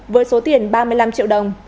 với số tiền ba đồng